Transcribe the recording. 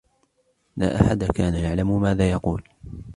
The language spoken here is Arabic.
لا أحد كان يعلم ماذا يقول.